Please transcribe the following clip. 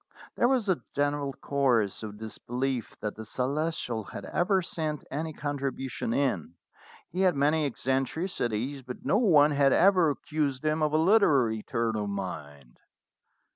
There was a general chorus of disbelief that the Celestial had ever sent any contribution in. He had many eccentricities, but no one had ever accused him of a literary turn of mind.